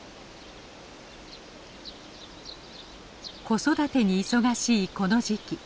子育てに忙しいこの時期。